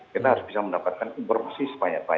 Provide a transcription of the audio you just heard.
kita harus bisa mendapatkan informasi sebanyak banyak